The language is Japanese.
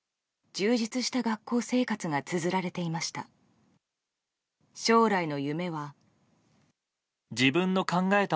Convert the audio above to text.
充実した学校生活がつづられていました。